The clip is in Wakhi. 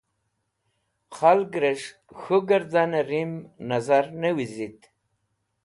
Khalgres̃h K̃hu Gẽrdane Rim Nazar Ne Visit